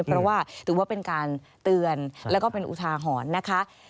เพราะว่าถือว่าเป็นการเตือนแล้วก็เป็นอุทาหรณ์นะคะ